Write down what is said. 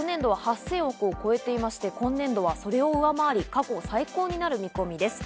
昨年度は８０００億を超えていまして、今年度はそれを上回り過去最高額になる見通しです。